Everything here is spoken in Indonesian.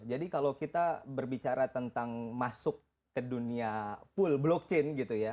jadi kalau kita berbicara tentang masuk ke dunia full blockchain gitu ya